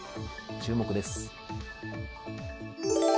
注目です。